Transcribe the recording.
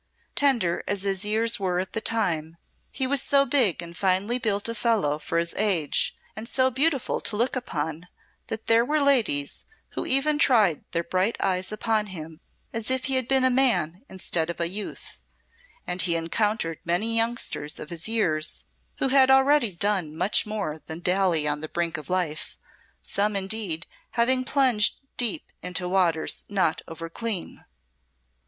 Tender as his years were at the time, he was so big and finely built a fellow for his age, and so beautiful to look upon, that there were ladies who even tried their bright eyes upon him as if he had been a man instead of a youth; and he encountered many youngsters of his years who had already done much more than dally on the brink of life, some, indeed, having plunged deep into waters not overclean.